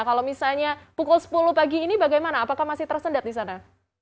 kalau misalnya pukul sepuluh pagi ini bagaimana apakah masih tersendat di sana